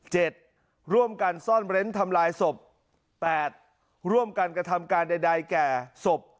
ร่วมกันซ่อนเร้นทำลายศพแปดร่วมกันกระทำการใดใดแก่ศพ